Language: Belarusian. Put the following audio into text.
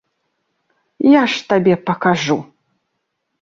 Я ж табе пакажу!